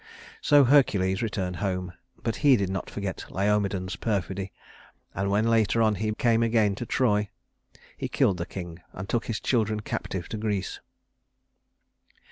So Hercules returned home, but he did not forget Laomedon's perfidy; and when later on he came again to Troy, he killed the king and took his children captive to Greece.